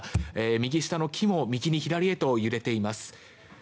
右下の木も右に左へと揺れています。